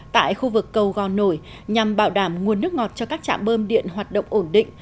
tại khu vực cầu gò nổi nhằm bảo đảm nguồn nước ngọt cho các trạm bơm điện hoạt động ổn định